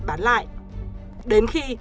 bán lại đến khi